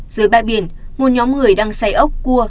dưới bãi biển một nhóm người đang say ốc cua